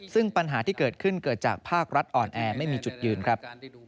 ซึ่งปัญหาที่เกิดขึ้นเกิดจากภาครัฐอ่อนแอไม่มีจุดยืนครับ